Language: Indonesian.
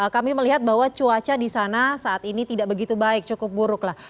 kami melihat bahwa cuaca di sana saat ini tidak begitu baik cukup buruk lah